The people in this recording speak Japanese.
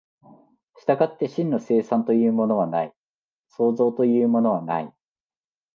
従って真の生産というものはない、創造というものはない。